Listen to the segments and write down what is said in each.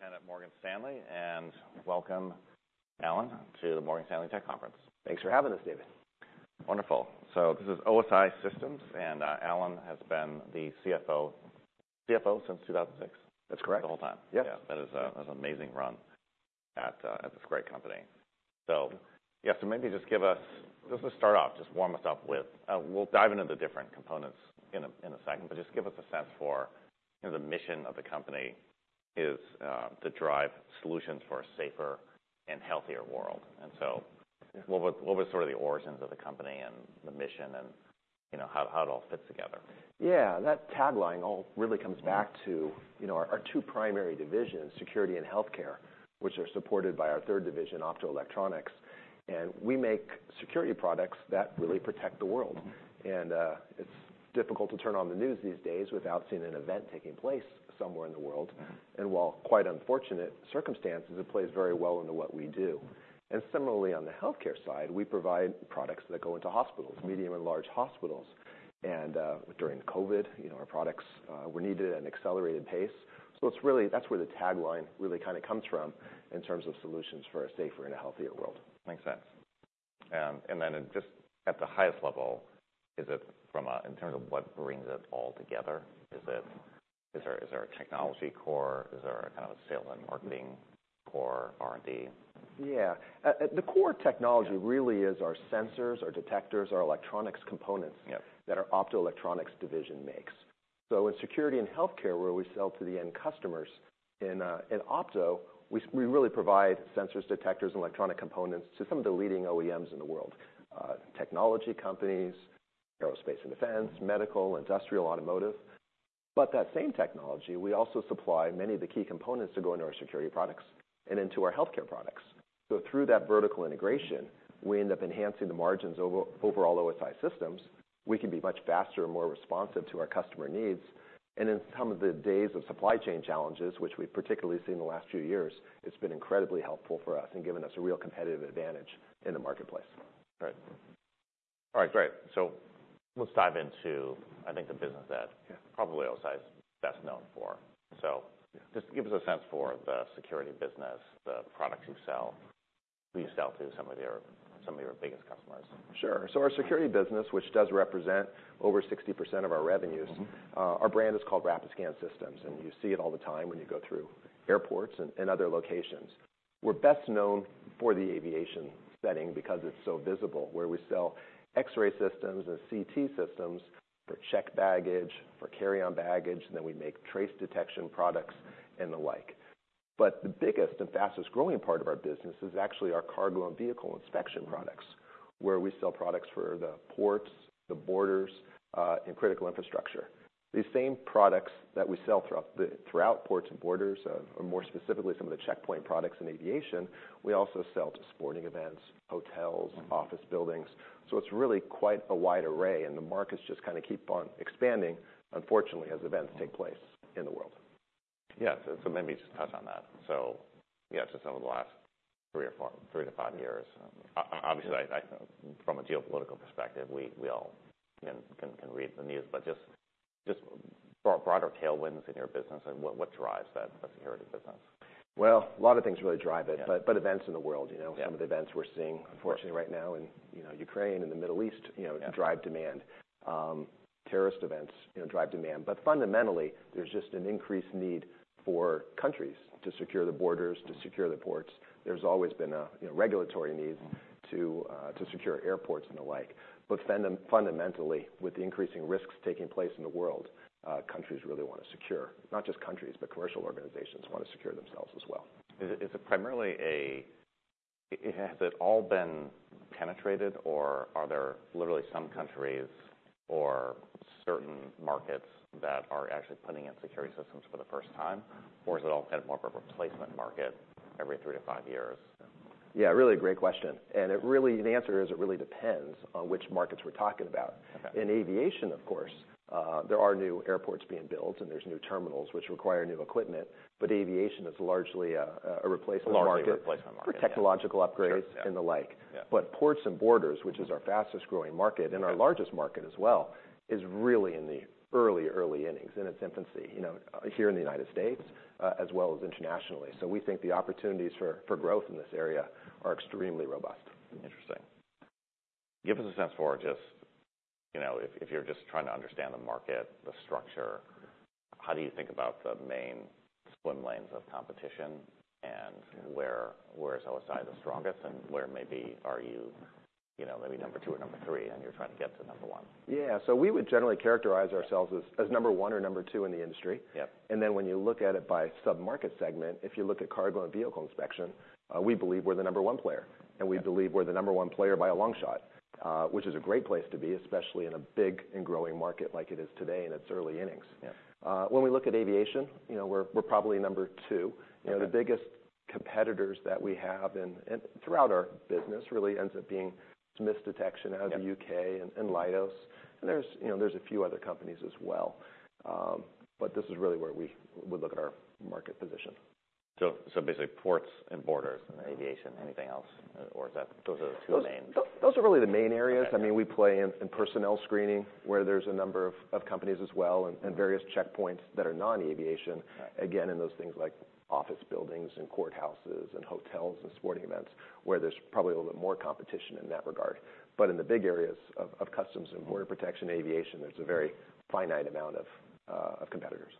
It's David, Morgan Stanley, and welcome, Alan, to the Morgan Stanley Tech Conference. Thanks for having us, David. Wonderful. So this is OSI Systems, and Alan has been the CFO since 2006. That's correct. The whole time. Yeah. Yeah. That's an amazing run at this great company. So yeah, maybe just give us, to start off, just warm us up with we'll dive into the different components in a second. But just give us a sense for, you know, the mission of the company is to drive solutions for a safer and healthier world. And so. Yeah. What was sort of the origins of the company and the mission and, you know, how it all fits together? Yeah. That tagline all really comes back to, you know, our two primary divisions, Security and Healthcare, which are supported by our third division, Optoelectronics. And we make security products that really protect the world. And, it's difficult to turn on the news these days without seeing an event taking place somewhere in the world. And while quite unfortunate circumstances, it plays very well into what we do. And similarly, on the Healthcare side, we provide products that go into hospitals, medium and large hospitals. And, during COVID, you know, our products were needed at an accelerated pace. So it's really, that's where the tagline really kinda comes from in terms of solutions for a safer and a healthier world. Makes sense. And then just at the highest level, is it from an in terms of what brings it all together, is there a technology core? Is there a kind of a sales and marketing core, R&D? Yeah. The core technology really is our sensors, our detectors, our electronics components. Yep. That our Optoelectronics division makes. So in security and healthcare, where we sell to the end customers in Opto, we really provide sensors, detectors, and electronic components to some of the leading OEMs in the world, technology companies, aerospace and defense, medical, industrial, automotive. But that same technology, we also supply many of the key components that go into our security products and into our healthcare products. So through that vertical integration, we end up enhancing the margins over overall OSI Systems. We can be much faster and more responsive to our customer needs. And in some of the days of supply chain challenges, which we've particularly seen the last few years, it's been incredibly helpful for us and given us a real competitive advantage in the marketplace. Right. All right. Great. So let's dive into, I think, the business that. Yeah. Probably OSI's best known for. So. Yeah. Just give us a sense for the security business, the products you sell, who you sell to, some of your biggest customers. Sure. So our security business, which does represent over 60% of our revenues. Mm-hmm. Our brand is called Rapiscan Systems. You see it all the time when you go through airports and other locations. We're best known for the aviation setting because it's so visible, where we sell X-ray systems and CT systems for checked baggage, for carry-on baggage. And then we make trace detection products and the like. But the biggest and fastest growing part of our business is actually our cargo and vehicle inspection products, where we sell products for the ports, the borders, and critical infrastructure. These same products that we sell throughout the ports and borders, or more specifically some of the checkpoint products in aviation, we also sell to sporting events, hotels. Mm-hmm. Office buildings. So it's really quite a wide array. And the markets just kinda keep on expanding, unfortunately, as events take place in the world. Yeah. So maybe just touch on that. So yeah, just over the last three or four, three-five years, obviously, from a geopolitical perspective, we all can read the news. But just broader tailwinds in your business, what drives that security business? Well, a lot of things really drive it. Yeah. But events in the world, you know. Yeah. Some of the events we're seeing, unfortunately, right now in, you know, Ukraine, in the Middle East, you know. Yeah. Drive demand. Terrorist events, you know, drive demand. But fundamentally, there's just an increased need for countries to secure the borders, to secure the ports. There's always been a, you know, regulatory need. Mm-hmm. To secure airports and the like. But fundamentally, with the increasing risks taking place in the world, countries really wanna secure not just countries, but commercial organizations wanna secure themselves as well. Is it primarily? Has it all been penetrated? Or are there literally some countries or certain markets that are actually putting in security systems for the first time? Or is it all kind of more of a replacement market every three-five years? Yeah. Really a great question. And it really, the answer is, it really depends on which markets we're talking about. Okay. In aviation, of course, there are new airports being built. There's new terminals, which require new equipment. Aviation is largely a replacement market. A largely replacement market, yeah. For technological upgrades and the like. Yeah. But ports and borders, which is our fastest growing market and our largest market as well, is really in the early, early innings in its infancy, you know, here in the United States, as well as internationally. So we think the opportunities for growth in this area are extremely robust. Interesting. Give us a sense for just, you know, if you're just trying to understand the market, the structure, how do you think about the main swim lanes of competition? And where. Mm-hmm. Where is OSI the strongest? And where maybe are you, you know, maybe number two or number three and you're trying to get to number one? Yeah. So we would generally characterize ourselves as number one or number two in the industry. Yep. And then when you look at it by submarket segment, if you look at Cargo and Vehicle Inspection, we believe we're the number one player. And we believe. Yeah. We're the number one player by a long shot, which is a great place to be, especially in a big and growing market like it is today in its early innings. Yep. When we look at aviation, you know, we're probably number two. Yeah. You know, the biggest competitors that we have in throughout our business really ends up being Smiths Detection out of the U.K.. Yeah. And Leidos. There's, you know, there's a few other companies as well. But this is really where we would look at our market position. So basically, ports and borders and aviation, anything else? Or is that those are the two main? Those are really the main areas. Yeah. I mean, we play in personnel screening, where there's a number of companies as well and various checkpoints that are non-aviation. Right. Again, in those things like office buildings and courthouses and hotels and sporting events, where there's probably a little bit more competition in that regard. But in the big areas of customs and border protection and aviation, there's a very finite amount of competitors.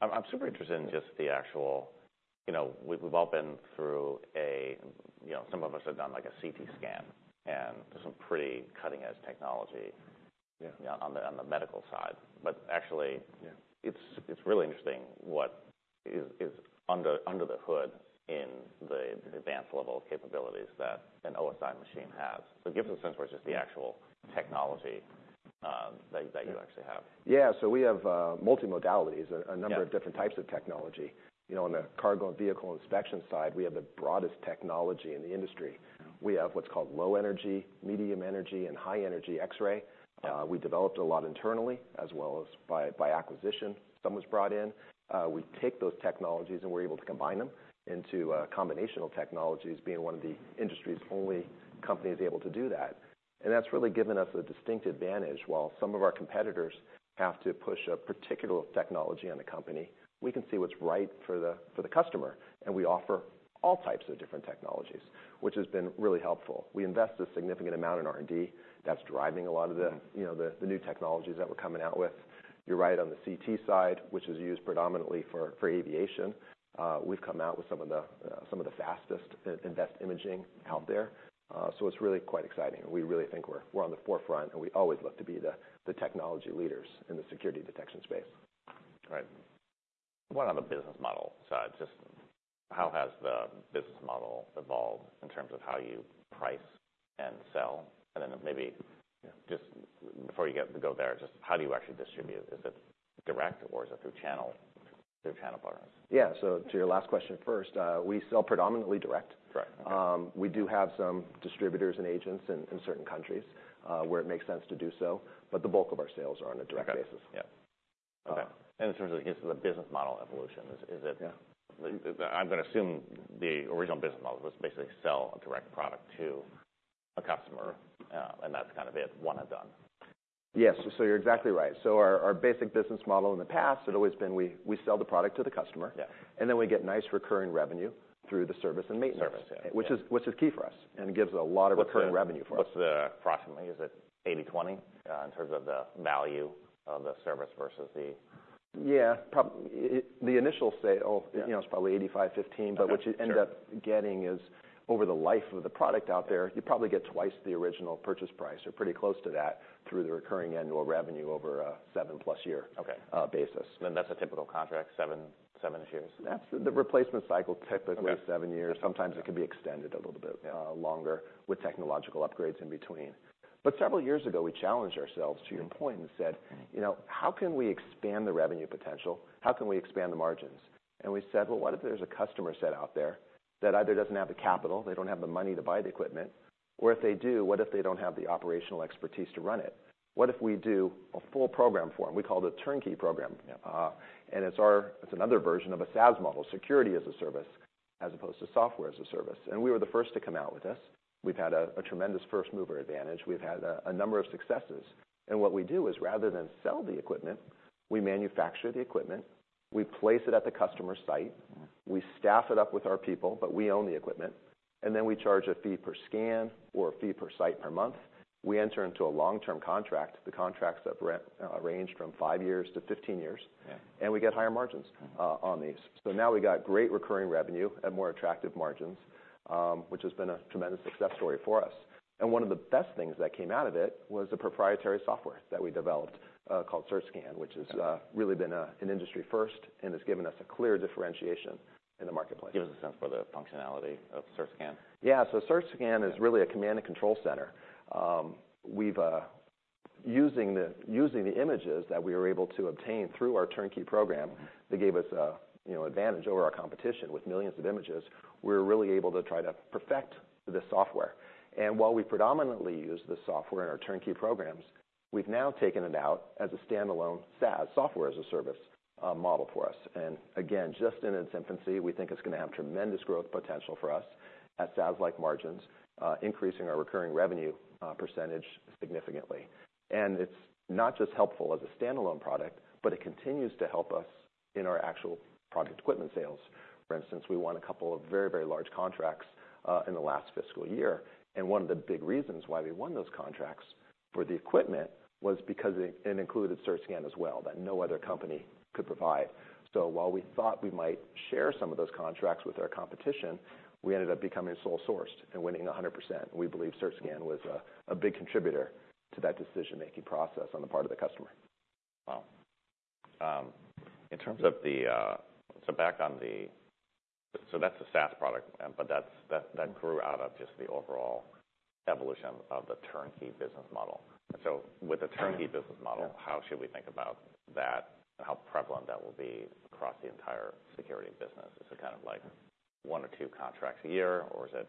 I'm super interested in just the actual, you know, we've all been through a you know, some of us have done, like, a CT scan. And there's some pretty cutting-edge technology. Yeah. You know, on the medical side. But actually. Yeah. It's really interesting what is under the hood in the advanced level of capabilities that an OSI machine has. So give us a sense for just the actual technology that you actually have. Yeah. So we have multimodalities, a number of different types of technology. You know, on the cargo and vehicle inspection side, we have the broadest technology in the industry. Yeah. We have what's called low-energy, medium-energy, and high-energy X-ray. Okay. We developed a lot internally as well as by acquisition. Some was brought in. We take those technologies and we're able to combine them into combinational technologies, being one of the industry's only companies able to do that. That's really given us a distinct advantage. While some of our competitors have to push a particular technology on the company, we can see what's right for the customer. We offer all types of different technologies, which has been really helpful. We invest a significant amount in R&D that's driving a lot of the. Mm-hmm. You know, the new technologies that we're coming out with. You're right. On the CT side, which is used predominantly for aviation, we've come out with some of the fastest high-res imaging out there. It's really quite exciting. We really think we're on the forefront. We always look to be the technology leaders in the security detection space. All right. What about the business model side? Just how has the business model evolved in terms of how you price and sell? And then maybe. Yeah. Just before you go there, just how do you actually distribute? Is it direct? Or is it through channel partners? Yeah. So to your last question first, we sell predominantly direct. Correct. We do have some distributors and agents in certain countries, where it makes sense to do so. But the bulk of our sales are on a direct. Okay. Basis. Yep. Okay. In terms of just the business model evolution, is it? Yeah. I'm gonna assume the original business model was basically sell a direct product to a customer. Mm-hmm. That's kind of it, one and done. Yes. So you're exactly right. So our basic business model in the past, it's always been we sell the product to the customer. Yeah. And then we get nice recurring revenue through the service and maintenance. Service, yeah. Which is key for us and gives a lot of recurring. Okay. Revenue for us. What's the approximate? Is it 80/20, in terms of the value of the service versus the. Yeah. Probably the initial sale. Yeah. You know, it's probably 85/15. Sure. What you end up getting is, over the life of the product out there, you probably get twice the original purchase price or pretty close to that through the recurring annual revenue over a 7+ year. Okay. basis. That's a typical contract, seven-seven-ish years? That's the replacement cycle typically. Yeah. Seven years. Sometimes it can be extended a little bit. Yeah. Longer with technological upgrades in between. But several years ago, we challenged ourselves, to your point, and said. Mm-hmm. You know, how can we expand the revenue potential? How can we expand the margins? And we said, well, what if there's a customer set out there that either doesn't have the capital, they don't have the money to buy the equipment? Or if they do, what if they don't have the operational expertise to run it? What if we do a full program for them? We call it a turnkey program. Yep. and it's ours. It's another version of a SaaS model, security as a service as opposed to software as a service. We were the first to come out with this. We've had a tremendous first-mover advantage. We've had a number of successes. What we do is, rather than sell the equipment, we manufacture the equipment. We place it at the customer site. Mm-hmm. We staff it up with our people. But we own the equipment. And then we charge a fee per scan or a fee per site per month. We enter into a long-term contract, the contracts that are arranged from five-15 years. Yeah. We get higher margins. Mm-hmm. on these. So now we got great recurring revenue at more attractive margins, which has been a tremendous success story for us. And one of the best things that came out of it was a proprietary software that we developed, called CertScan, which has. Yeah. Really been an industry first and has given us a clear differentiation in the marketplace. Give us a sense for the functionality of CertScan. Yeah. So CertScan is really a command and control center. We've using the images that we were able to obtain through our turnkey program. Mm-hmm. That gave us a, you know, advantage over our competition with millions of images. We're really able to try to perfect this software. While we predominantly use this software in our turnkey programs, we've now taken it out as a standalone SaaS, software as a service, model for us. Again, just in its infancy, we think it's gonna have tremendous growth potential for us at SaaS-like margins, increasing our recurring revenue percentage significantly. It's not just helpful as a standalone product, but it continues to help us in our actual product equipment sales. For instance, we won a couple of very, very large contracts in the last fiscal year. One of the big reasons why we won those contracts for the equipment was because it included CertScan as well that no other company could provide. So while we thought we might share some of those contracts with our competition, we ended up becoming sole-sourced and winning 100%. We believe CertScan was a big contributor to that decision-making process on the part of the customer. Wow. In terms of the, so back on that, so that's a SaaS product, but that grew out of just the overall evolution of the turnkey business model. And so with the turnkey. Mm-hmm. Business model, how should we think about that and how prevalent that will be across the entire security business? Is it kind of like one or two contracts a year? Or is it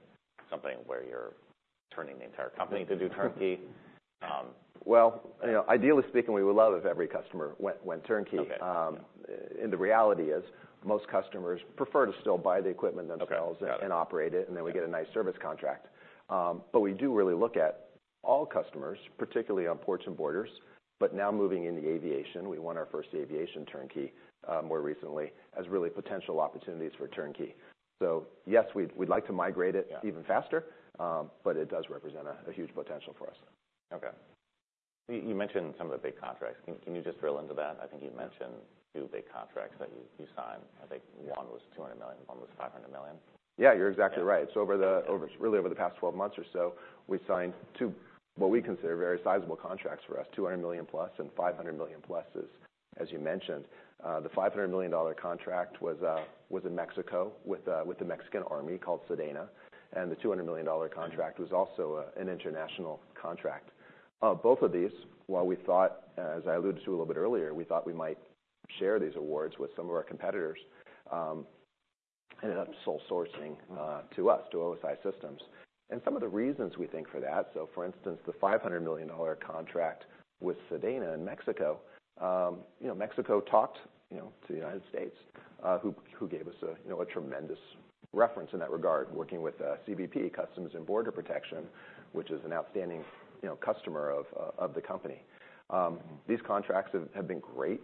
something where you're turning the entire company to do turnkey? Well, you know, ideally speaking, we would love if every customer went turnkey. Okay. In the reality, most customers prefer to still buy the equipment themselves. Okay. And operate it. And then we get a nice service contract. But we do really look at all customers, particularly on ports and borders. But now moving into aviation, we won our first aviation turnkey, more recently, as really potential opportunities for turnkey. So yes, we'd like to migrate it. Yeah. Even faster. But it does represent a huge potential for us. Okay. You mentioned some of the big contracts. Can you just drill into that? I think you mentioned two big contracts that you signed. I think one was $200 million. One was $500 million. Yeah. You're exactly right. Okay. So over the past 12 months or so, we signed two what we consider very sizable contracts for us, $200 million-plus and $500+ million, as you mentioned. The $500 million contract was in Mexico with the Mexican army called SEDENA. And the $200 million contract was also an international contract. Both of these, while we thought, as I alluded to a little bit earlier, we thought we might share these awards with some of our competitors, ended up sole-sourcing to us, to OSI Systems. Some of the reasons we think for that, so for instance, the $500 million contract with SEDENA in Mexico, you know, Mexico talked, you know, to the United States, who gave us a, you know, a tremendous reference in that regard, working with CBP, Customs and Border Protection, which is an outstanding, you know, customer of the company. Mm-hmm. These contracts have been great.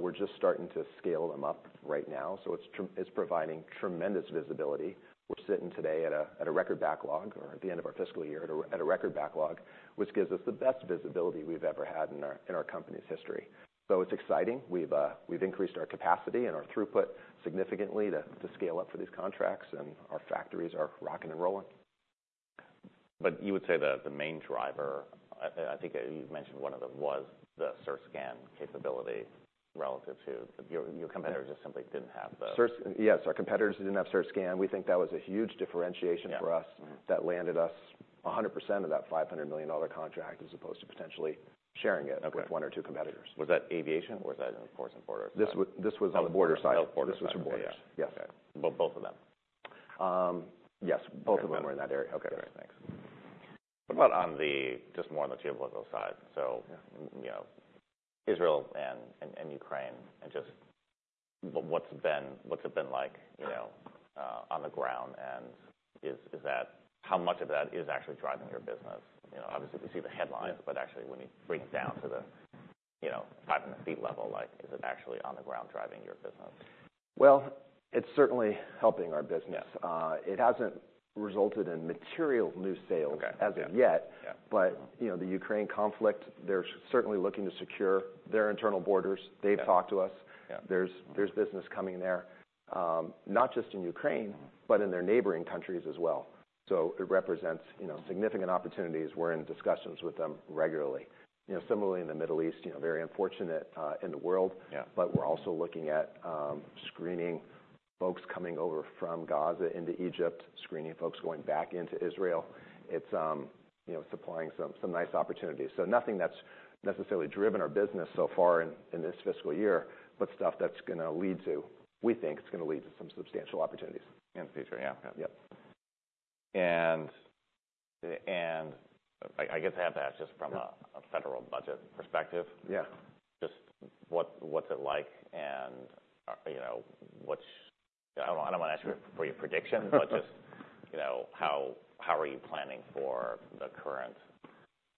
We're just starting to scale them up right now. So it's providing tremendous visibility. We're sitting today at a record backlog or at the end of our fiscal year at a record backlog, which gives us the best visibility we've ever had in our company's history. So it's exciting. We've increased our capacity and our throughput significantly to scale up for these contracts. And our factories are rocking and rolling. But you would say the main driver I think you mentioned one of them was the CertScan capability relative to your competitors just simply didn't have the. S2's, yes. Our competitors didn't have CertScan. We think that was a huge differentiation. Yeah. For us. Mm-hmm. That landed us 100% of that $500 million contract as opposed to potentially sharing it. Okay. With one or two competitors. Was that aviation? Or was that in ports and borders? This was on the border side. On the border side. This was for borders. Yeah. Yes. Okay. Both of them. Yes. Both of them were in that area. Okay. Okay. Great. Thanks. What about just more on the geopolitical side? So. Yeah. You know, Israel and Ukraine and just what's it been like, you know, on the ground? And is that how much of that is actually driving your business? You know, obviously, we see the headlines. Mm-hmm. But actually, when you bring it down to the, you know, 500 ft level, like, is it actually on the ground driving your business? Well, it's certainly helping our business. Yes. It hasn't resulted in material new sales. Okay. As of yet. Yeah. But, you know, the Ukraine conflict, they're certainly looking to secure their internal borders. Yeah. They've talked to us. Yeah. There's business coming there, not just in Ukraine. Mm-hmm. But in their neighboring countries as well. It represents, you know, significant opportunities. We're in discussions with them regularly. You know, similarly, in the Middle East, you know, very unfortunate, in the world. Yeah. But we're also looking at screening folks coming over from Gaza into Egypt, screening folks going back into Israel. It's, you know, supplying some nice opportunities. So nothing that's necessarily driven our business so far in this fiscal year, but stuff that's gonna lead to, we think it's gonna lead to, some substantial opportunities. In the future. Yeah. Okay. Yep. I guess I have to ask just from a federal budget perspective. Yeah. Just, what's it like? And, you know, I don't know. I don't wanna ask you for your prediction. Mm-hmm. Just, you know, how are you planning for the current,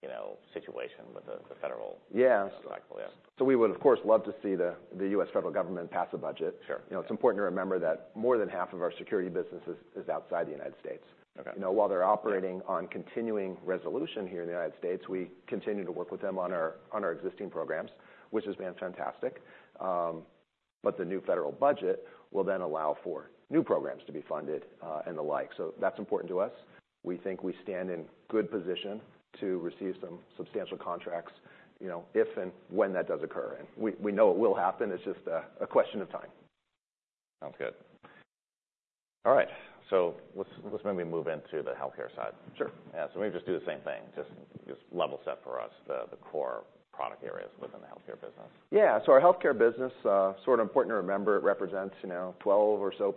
you know, situation with the federal? Yeah. Cycle? Yeah. So we would, of course, love to see the U.S. federal government pass a budget. Sure. You know, it's important to remember that more than half of our security business is outside the United States. Okay. You know, while they're operating on continuing resolution here in the United States, we continue to work with them on our existing programs, which has been fantastic. But the new federal budget will then allow for new programs to be funded, and the like. So that's important to us. We think we stand in good position to receive some substantial contracts, you know, if and when that does occur. We know it will happen. It's just a question of time. Sounds good. All right. So let's maybe move into the healthcare side. Sure. Yeah. So maybe just do the same thing, just level set for us, the core product areas within the healthcare business. Yeah. So our healthcare business, sort of important to remember, it represents, you know, 12% or so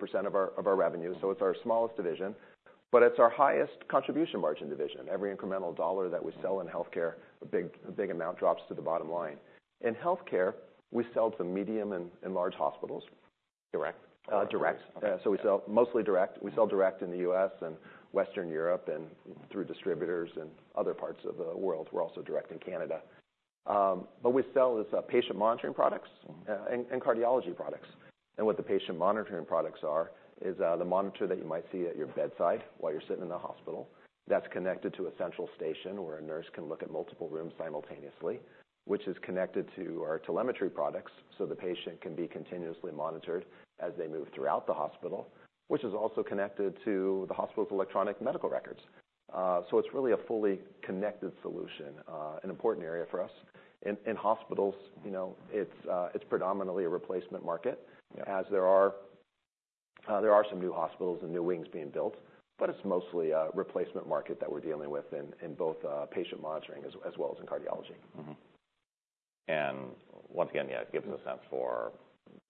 of our revenue. So it's our smallest division. But it's our highest contribution margin division. Every incremental dollar that we sell in healthcare, a big amount drops to the bottom line. In healthcare, we sell to medium and large hospitals. Direct? Direct. Okay. Yeah. So we sell mostly direct. We sell direct in the U.S. and Western Europe and through distributors in other parts of the world. We're also direct in Canada, but we sell as patient monitoring products. Mm-hmm. And cardiology products. And what the patient monitoring products are is the monitor that you might see at your bedside while you're sitting in the hospital. That's connected to a central station where a nurse can look at multiple rooms simultaneously, which is connected to our telemetry products so the patient can be continuously monitored as they move throughout the hospital, which is also connected to the hospital's electronic medical records. So it's really a fully connected solution, an important area for us. In hospitals, you know, it's predominantly a replacement market. Yeah. As there are some new hospitals and new wings being built. But it's mostly a replacement market that we're dealing with in both, patient monitoring as well as in cardiology. Mm-hmm. And once again, yeah, it gives us a sense for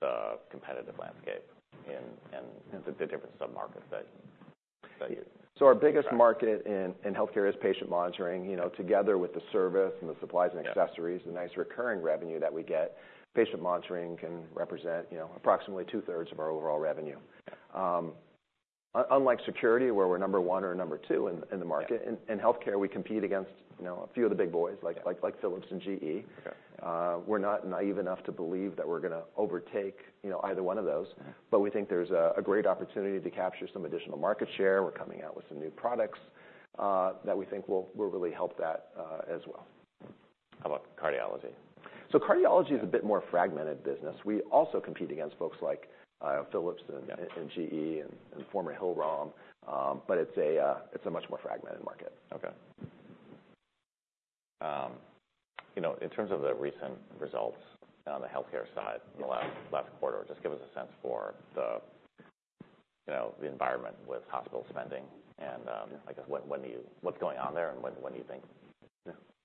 the competitive landscape in the different submarkets that you. Our biggest market in healthcare is patient monitoring. You know, together with the service and the supplies and accessories. Mm-hmm. The nice recurring revenue that we get, Patient Monitoring can represent, you know, approximately two-thirds of our overall revenue. Yeah. Unlike security, where we're number one or number two in the market. Mm-hmm. In healthcare, we compete against, you know, a few of the big boys, like. Okay. Like Philips and GE. Okay. We're not naive enough to believe that we're gonna overtake, you know, either one of those. Mm-hmm. But we think there's a great opportunity to capture some additional market share. We're coming out with some new products, that we think will really help that, as well. How about cardiology? Cardiology is a bit more fragmented business. We also compete against folks like, Philips and. Yeah. GE and former Hillrom, but it's a, it's a much more fragmented market. Okay. You know, in terms of the recent results on the Healthcare side. Mm-hmm. In the last quarter, just give us a sense for the, you know, the environment with hospital spending and, Yeah. I guess when do you what's going on there? And when do you think.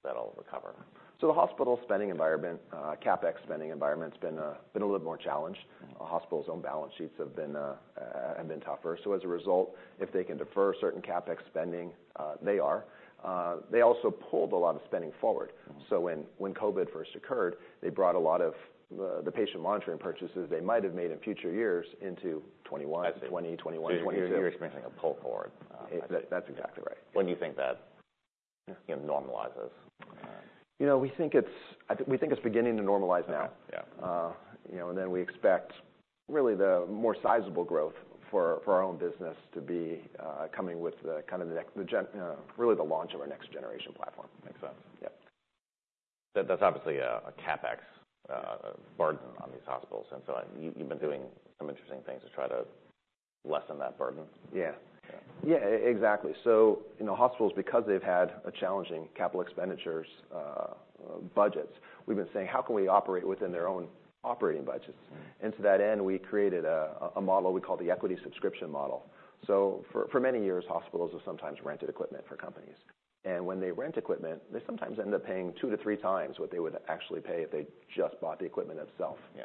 Yeah. That'll recover? So the hospital spending environment, CapEx spending environment's been a little bit more challenged. Mm-hmm. Hospitals' own balance sheets have been tougher. So as a result, if they can defer certain CapEx spending, they are. They also pulled a lot of spending forward. Mm-hmm. When COVID first occurred, they brought a lot of the patient monitoring purchases they might have made in future years into 2021. I see. 2020, 2021, 2022. So you're experiencing a pull forward. That's. That's exactly right. When do you think that? Yeah. You know, normalizes. You know, we think it's beginning to normalize now. Okay. Yeah. You know, and then we expect really the more sizable growth for our own business to be coming with the kind of the next-gen really the launch of our next-generation platform. Makes sense. Yep. That's obviously a CapEx burden on these hospitals. And so you've been doing some interesting things to try to lessen that burden. Yeah. Yeah. Yeah. Exactly. So, you know, hospitals, because they've had a challenging capital expenditures, budgets, we've been saying, "How can we operate within their own operating budgets? Mm-hmm. To that end, we created a model we call the equity subscription model. For many years, hospitals have sometimes rented equipment for companies. When they rent equipment, they sometimes end up paying 2-3 times what they would actually pay if they just bought the equipment itself. Yeah.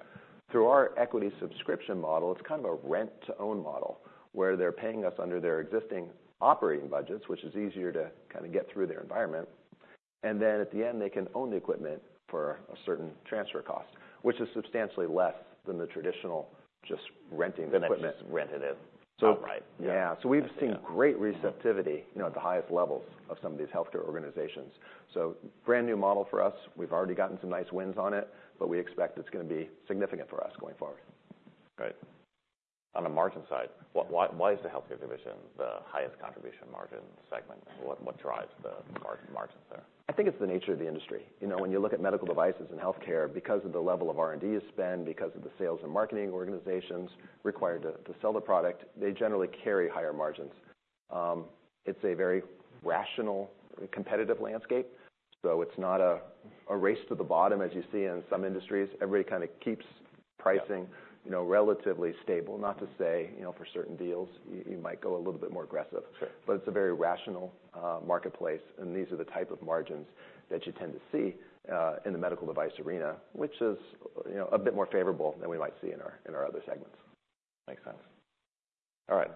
Through our equity subscription model, it's kind of a rent-to-own model where they're paying us under their existing operating budgets, which is easier to kinda get through their environment. And then at the end, they can own the equipment for a certain transfer cost, which is substantially less than the traditional just renting the equipment. than just renting it. So. Upright. Yeah. Yeah. So we've seen great receptivity, you know, at the highest levels of some of these healthcare organizations. So brand new model for us. We've already gotten some nice wins on it. But we expect it's gonna be significant for us going forward. Great. On the margin side, why is the Healthcare division the highest contribution margin segment? What drives the margins there? I think it's the nature of the industry. You know, when you look at medical devices in Healthcare, because of the level of R&D spend, because of the sales and marketing organizations required to sell the product, they generally carry higher margins. It's a very rational competitive landscape. So it's not a race to the bottom, as you see in some industries. Everybody kinda keeps pricing. Yeah. You know, relatively stable, not to say, you know, for certain deals, you might go a little bit more aggressive. Sure. It's a very rational marketplace. These are the type of margins that you tend to see in the medical device arena, which is, you know, a bit more favorable than we might see in our other segments. Makes sense. All right.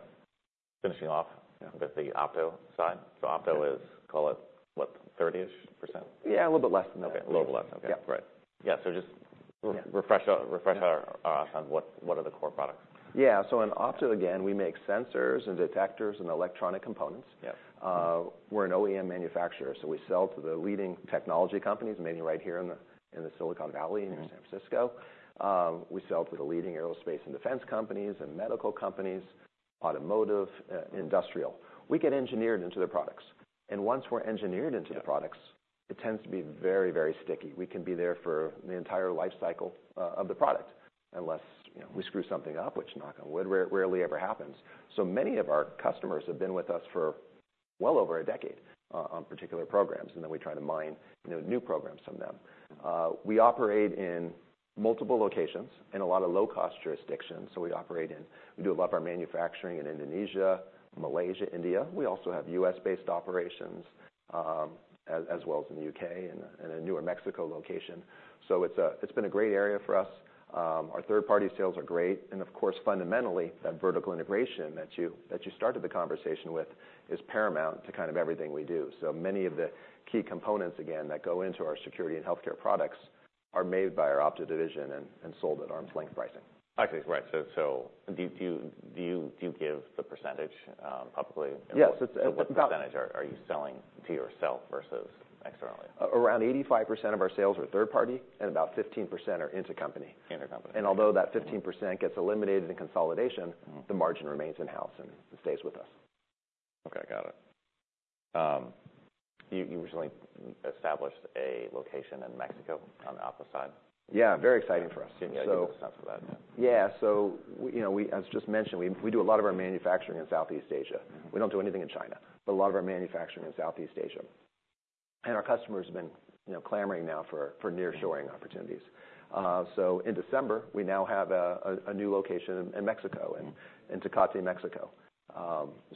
Finishing off. Yeah. With the Opto side. So Opto is call it, what, 30-ish%? Yeah. A little bit less than that. Okay. A little bit less. Okay. Yeah. Great. Yeah. So just. Yeah. Refresh our eyes on what are the core products. Yeah. So in Opto again, we make sensors and detectors and electronic components. Yep. We're an OEM manufacturer. So we sell to the leading technology companies, mainly right here in the Silicon Valley in San Francisco. We sell to the leading aerospace and defense companies and medical companies, automotive, industrial. We get engineered into their products. And once we're engineered into the products. Yeah. It tends to be very, very sticky. We can be there for the entire life cycle, of the product unless, you know, we screw something up, which, knock on wood, rarely ever happens. So many of our customers have been with us for well over a decade, on particular programs. And then we try to mine, you know, new programs from them. Mm-hmm. We operate in multiple locations in a lot of low-cost jurisdictions. So we do a lot of our manufacturing in Indonesia, Malaysia, India. We also have U.S.-based operations, as well as in the U.K. and a New Mexico location. So it's been a great area for us. Our third-party sales are great. And of course, fundamentally, that vertical integration that you started the conversation with is paramount to kind of everything we do. So many of the key components, again, that go into our security and healthcare products are made by our Opto division and sold at arm's length pricing. I see. Right. So do you give the percentage publicly? Yes. It's a. What percentage are you selling to yourself versus externally? Around 85% of our sales are third-party and about 15% are intercompany. Intercompany. And although that 15% gets eliminated in consolidation. Mm-hmm. The margin remains in-house and stays with us. Okay. Got it. You recently established a location in Mexico on the Opto side. Yeah. Very exciting for us. Yeah. So. You gave us a sense of that. Yeah. Yeah. So you know, as just mentioned, we do a lot of our manufacturing in Southeast Asia. Mm-hmm. We don't do anything in China. But a lot of our manufacturing in Southeast Asia. And our customers have been, you know, clamoring now for nearshoring opportunities. So in December, we now have a new location in Mexico and. Mm-hmm. In Tecate, Mexico.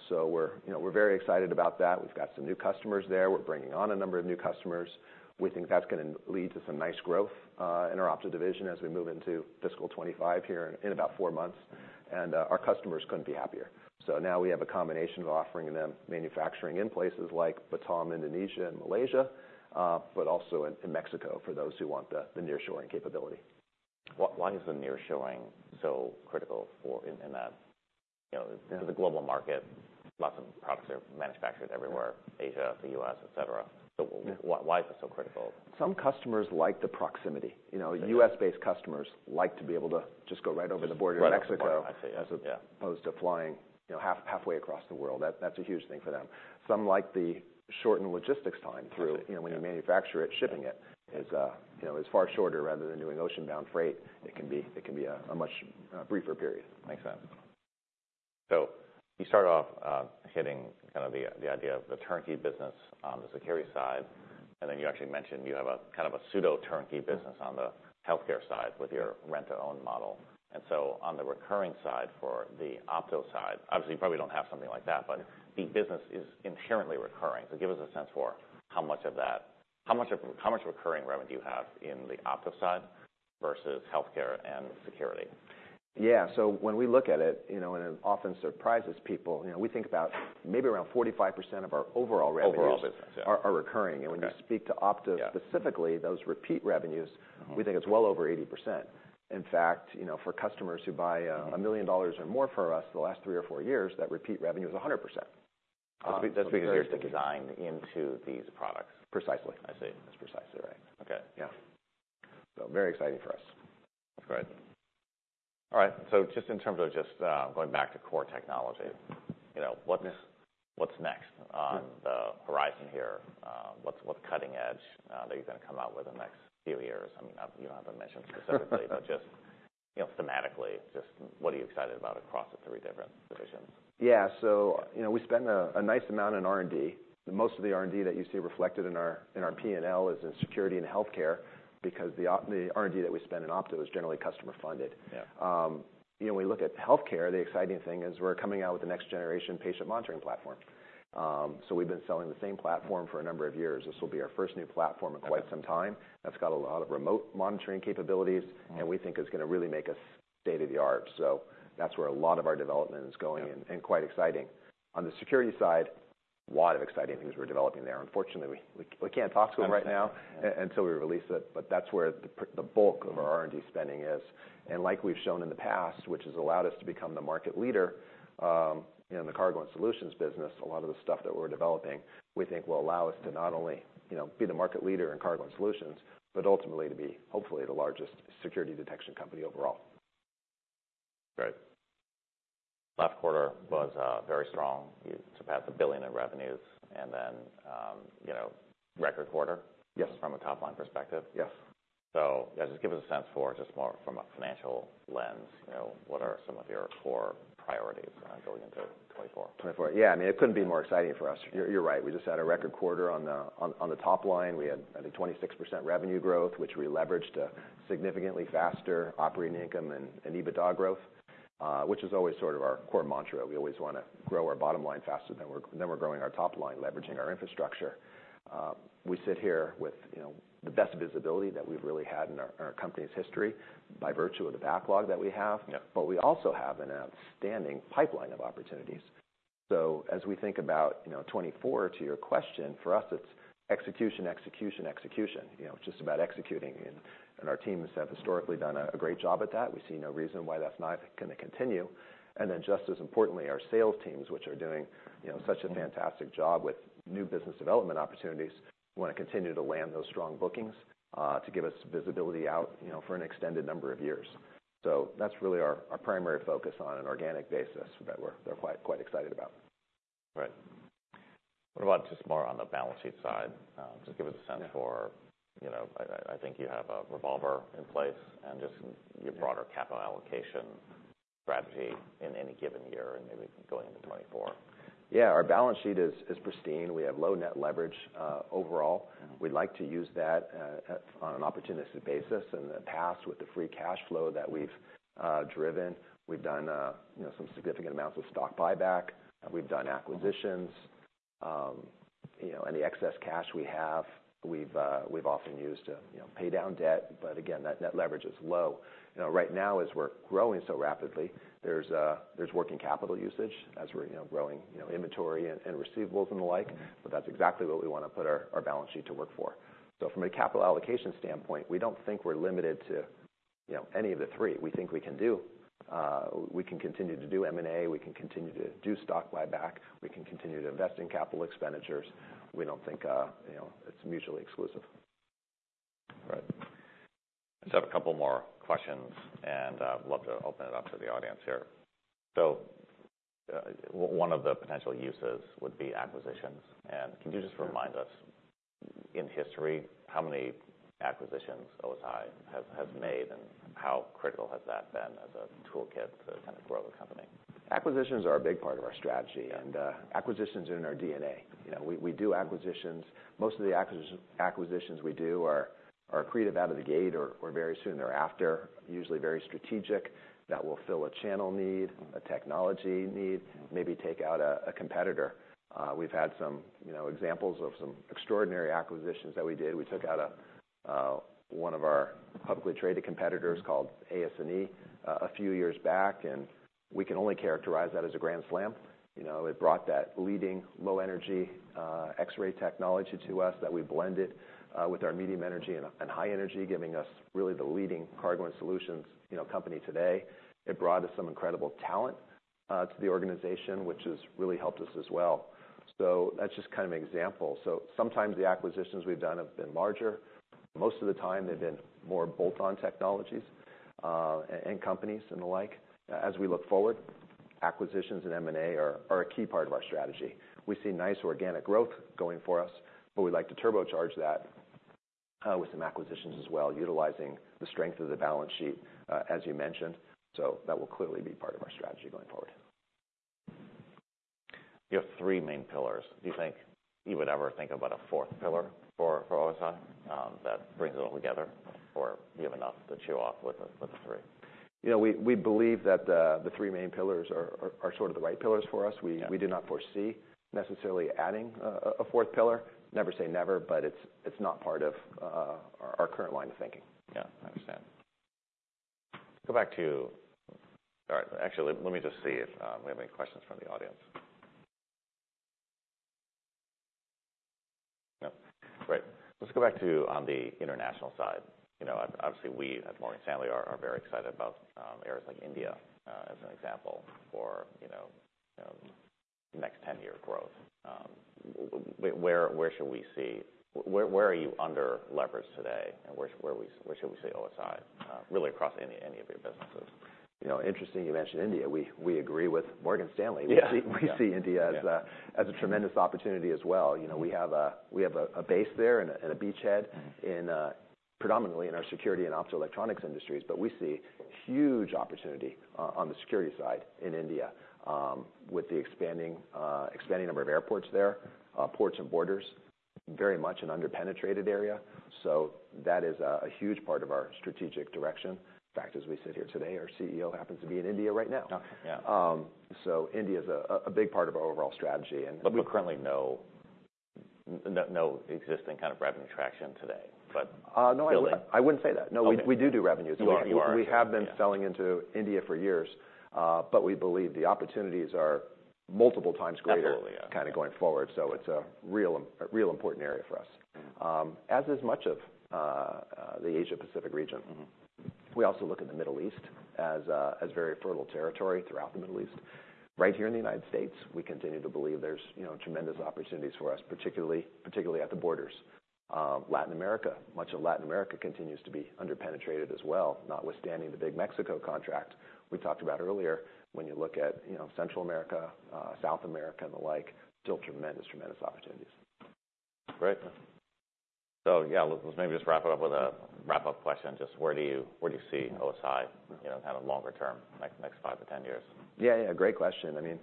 So we're, you know, we're very excited about that. We've got some new customers there. We're bringing on a number of new customers. We think that's gonna lead to some nice growth, in our Opto division as we move into fiscal 2025 here in about four months. Mm-hmm. Our customers couldn't be happier. So now we have a combination of offering them manufacturing in places like Batam, Indonesia, and Malaysia, but also in Mexico for those who want the nearshoring capability. Why is the nearshoring so critical for in that, you know, to the global market? Lots of products are manufactured everywhere, Asia, the U.S., etc. Yeah. Why why is it so critical? Some customers like the proximity. You know. Yeah. U.S.-based customers like to be able to just go right over the border to Mexico. Right. I see. Yeah. As opposed to flying, you know, half-halfway across the world. That, that's a huge thing for them. Some like the shortened logistics time through. Absolutely. You know, when you manufacture it, shipping it is, you know, far shorter rather than doing ocean-bound freight. It can be a much briefer period. Makes sense. So you start off, hitting kind of the idea of the turnkey business on the security side. And then you actually mentioned you have a kind of a pseudo-turnkey business on the healthcare side with your rent-to-own model. And so on the recurring side for the Opto side obviously, you probably don't have something like that. But the business is inherently recurring. So give us a sense for how much recurring revenue do you have in the Opto side versus healthcare and security? Yeah. So when we look at it, you know, and it often surprises people, you know, we think about maybe around 45% of our overall revenues. Overall business. Yeah. Are recurring. Yeah. When you speak to Opto. Yeah. Specifically, those repeat revenues. Mm-hmm. We think it's well over 80%. In fact, you know, for customers who buy $1 million or more from us the last three or four years, that repeat revenue is 100%. That's because you're. It's designed into these products. Precisely. I see. That's precisely right. Okay. Yeah. So very exciting for us. That's great. All right. So just in terms of just going back to core technology, you know, what's. Yes. What's next on the horizon here? What's cutting edge, that you're gonna come out with in the next few years? I mean, you don't have to mention specifically. Mm-hmm. Just, you know, thematically, just what are you excited about across the three different divisions? Yeah. So, you know, we spend a nice amount in R&D. Most of the R&D that you see reflected in our P&L is in security and healthcare because the Opto R&D that we spend in Opto is generally customer-funded. Yeah. You know, when you look at healthcare, the exciting thing is we're coming out with the next-generation patient monitoring platform. We've been selling the same platform for a number of years. This will be our first new platform in quite some time. Okay. That's got a lot of remote monitoring capabilities. Mm-hmm. We think it's gonna really make us state-of-the-art. That's where a lot of our development is going. Yeah. Quite exciting. On the security side, a lot of exciting things we're developing there. Unfortunately, we can't talk to them right now. I see. Yeah. Until we release it. But that's where the bulk of our R&D spending is. And like we've shown in the past, which has allowed us to become the market leader, you know, in the cargo and solutions business, a lot of the stuff that we're developing, we think will allow us to not only, you know, be the market leader in cargo and solutions but ultimately to be, hopefully, the largest security detection company overall. Great. Last quarter was very strong. You surpassed $1 billion in revenues. And then, you know, record quarter. Yes. From a top-line perspective. Yes. So yeah, just give us a sense for just more from a financial lens, you know, what are some of your core priorities ongoing into 2024? Yeah. I mean, it couldn't be more exciting for us. You're right. We just had a record quarter on the top line. We had, I think, 26% revenue growth, which we leveraged a significantly faster operating income and EBITDA growth, which is always sort of our core mantra. We always wanna grow our bottom line faster than we're growing our top line, leveraging our infrastructure. We sit here with, you know, the best visibility that we've really had in our company's history by virtue of the backlog that we have. Yeah. But we also have an outstanding pipeline of opportunities. So as we think about, you know, 2024, to your question, for us, it's execution, execution, execution, you know, just about executing. And our teams have historically done a great job at that. We see no reason why that's not gonna continue. And then just as importantly, our sales teams, which are doing, you know, such a fantastic job with new business development opportunities, wanna continue to land those strong bookings, to give us visibility out, you know, for an extended number of years. So that's really our primary focus on an organic basis that we're quite excited about. Great. What about just more on the balance sheet side? Just give us a sense for. Yeah. You know, I think you have a revolver in place and just your broader capital allocation strategy in any given year and maybe going into 2024. Yeah. Our balance sheet is pristine. We have low net leverage, overall. Mm-hmm. We'd like to use that, on an opportunistic basis. In the past, with the free cash flow that we've driven, we've done, you know, some significant amounts of stock buyback. We've done acquisitions. You know, any excess cash we have, we've often used to, you know, pay down debt. But again, that net leverage is low. You know, right now, as we're growing so rapidly, there's working capital usage as we're, you know, growing, you know, inventory and receivables and the like. Mm-hmm. But that's exactly what we wanna put our balance sheet to work for. So from a capital allocation standpoint, we don't think we're limited to, you know, any of the three. We think we can continue to do M&A. We can continue to do stock buyback. We can continue to invest in capital expenditures. We don't think, you know, it's mutually exclusive. Great. Just have a couple more questions. I'd love to open it up to the audience here. One of the potential uses would be acquisitions. Can you just remind us in history how many acquisitions OSI has made and how critical has that been as a toolkit to kinda grow the company? Acquisitions are a big part of our strategy. Yeah. Acquisitions are in our DNA. You know, we do acquisitions. Most of the acquisitions we do are creative out of the gate or very soon thereafter, usually very strategic, that will fill a channel need. Mm-hmm. A technology need. Mm-hmm. Maybe take out a competitor. We've had some, you know, examples of some extraordinary acquisitions that we did. We took out one of our publicly traded competitors called AS&E, a few years back. And we can only characterize that as a grand slam. You know, it brought that leading low-energy X-ray technology to us that we blended with our medium energy and high energy, giving us really the leading cargo and solutions, you know, company today. It brought us some incredible talent to the organization, which has really helped us as well. So that's just kind of an example. So sometimes the acquisitions we've done have been larger. Most of the time, they've been more bolt-on technologies and companies and the like. As we look forward, acquisitions and M&A are a key part of our strategy. We see nice organic growth going for us. But we'd like to turbocharge that, with some acquisitions as well, utilizing the strength of the balance sheet, as you mentioned. So that will clearly be part of our strategy going forward. You have three main pillars. Do you think you would ever think about a fourth pillar for OSI, that brings it all together? Or do you have enough to chew off with the three? You know, we believe that, the three main pillars are sort of the right pillars for us. Yeah. We do not foresee necessarily adding a fourth pillar. Never say never. But it's not part of our current line of thinking. Yeah. I understand. Go back to all right. Actually, let me just see if we have any questions from the audience. No? Great. Let's go back to on the international side. You know, obviously, we at Morgan Stanley are very excited about areas like India, as an example for you know next 10-year growth. Where should we see where you are underleveraged today? And where should we see OSI really across any of your businesses? You know, interesting you mentioned India. We agree with Morgan Stanley. Yeah. We see India as a tremendous opportunity as well. You know, we have a base there and a beachhead. Mm-hmm. Predominantly in our security and Optoelectronics industries. But we see huge opportunity, on the security side in India, with the expanding number of airports there, ports and borders, very much an underpenetrated area. So that is a huge part of our strategic direction. In fact, as we sit here today, our CEO happens to be in India right now. Okay. Yeah. So India's a big part of our overall strategy. And. We currently know no existing kind of revenue traction today. But. No. I wouldn't I wouldn't say that. No. Yeah. We do revenues. Yeah. You are. We have been selling into India for years. But we believe the opportunities are multiple times greater. Absolutely. Yeah. Of going forward. So it's a real important area for us. Mm-hmm. As is much of the Asia-Pacific region. Mm-hmm. We also look at the Middle East as very fertile territory throughout the Middle East. Right here in the United States, we continue to believe there's, you know, tremendous opportunities for us, particularly at the borders. Latin America, much of Latin America continues to be underpenetrated as well, notwithstanding the big Mexico contract we talked about earlier. When you look at, you know, Central America, South America, and the like, still tremendous opportunities. Great. So yeah. Let's maybe just wrap it up with a wrap-up question. Just where do you see OSI? Mm-hmm. You know, kinda longer term, next five-10 years? Yeah. Yeah. Great question. I mean,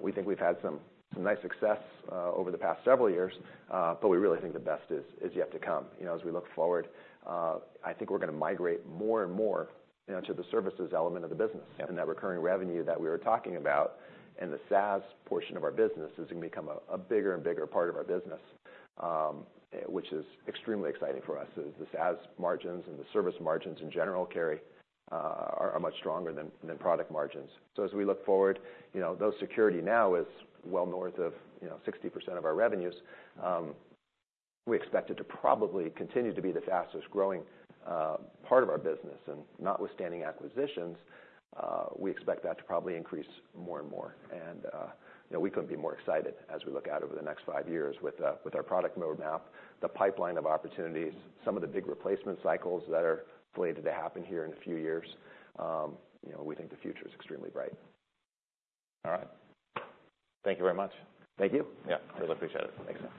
we think we've had some nice success over the past several years. But we really think the best is yet to come. You know, as we look forward, I think we're gonna migrate more and more, you know, to the services element of the business. Yeah. That recurring revenue that we were talking about and the SaaS portion of our business is gonna become a bigger and bigger part of our business, which is extremely exciting for us. The SaaS margins and the service margins in general carry are much stronger than product margins. So as we look forward, you know, though security now is well north of, you know, 60% of our revenues, we expect it to probably continue to be the fastest-growing part of our business. And notwithstanding acquisitions, we expect that to probably increase more and more. And, you know, we couldn't be more excited as we look out over the next five years with our product roadmap, the pipeline of opportunities, some of the big replacement cycles that are slated to happen here in a few years. You know, we think the future is extremely bright. All right. Thank you very much. Thank you. Yeah. Really appreciate it. Thanks a lot.